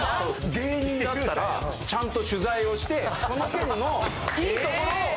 芸人だったらちゃんと取材をしてそのけんの良いところを。